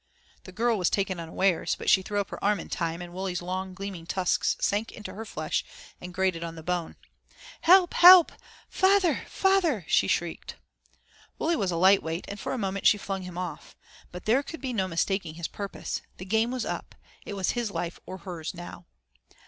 The girl was taken unawares, but she threw up her arm in time, and Wully's long, gleaming tusks sank into her flesh, and grated on the bone. "Help! help! feyther! feyther!" she shrieked. Wully was a light weight, and for a moment she flung him off. But there could be no mistaking his purpose. The game was up, it was his life or hers now.